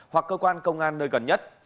hoặc cơ quan công an nơi gần nhất